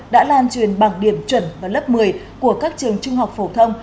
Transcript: đã lan truyền bằng điểm chuẩn vào lớp một mươi của các trường trung học phổ thông